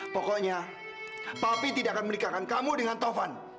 pokoknya papi tidak akan menikahkan kamu dengan tovan